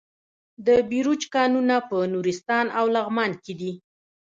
د بیروج کانونه په نورستان او لغمان کې دي.